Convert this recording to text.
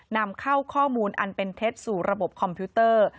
นำเข้าข้อมูลอันเป็นเท็จสู่ระบบคอมพิวเตอร์